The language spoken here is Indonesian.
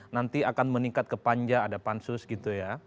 nanti akan meningkat ke panja ada pansus gitu ya